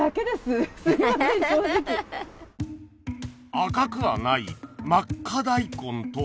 赤くはないまっか大根とは